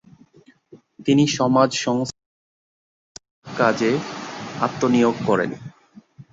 তিনি সমাজ সংস্কার ও গঠনমূলক কাজে আত্মনিয়োগ করেন।